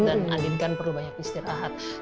dan andin kan perlu banyak istirahat